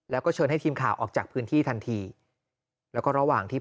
แล้วก็เชิญให้ทีมข่าวออกจากพื้นที่ทันทีแล้วก็ระหว่างที่